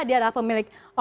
dia adalah pemilik oracle